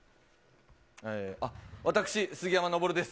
私、杉山登です。